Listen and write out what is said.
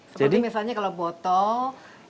seperti misalnya kalau botol